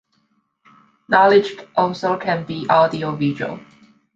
Knowledge also can be audio-visual.